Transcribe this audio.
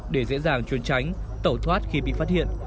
để dễ dàng chuyên tránh tẩu thoát khi bị phát hiện